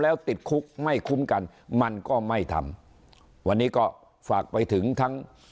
แล้วติดคุกไม่คุ้มกันมันก็ไม่ทำวันนี้ก็ฝากไปถึงทั้ง